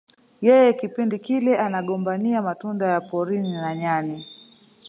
Yeye kipindi kile anagombania matunda ya porini na nyani